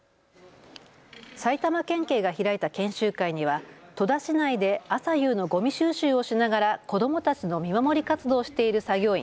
埼玉県警が開いた研修会には戸田市内で朝夕のごみ収集をしながら子どもたちの見守り活動している作業員